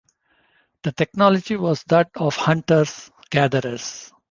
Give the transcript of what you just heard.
The technology was that of hunter-gatherers.